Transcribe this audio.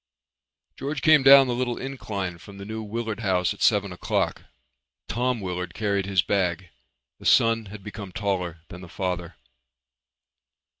George came down the little incline from the New Willard House at seven o'clock. Tom Willard carried his bag. The son had become taller than the father.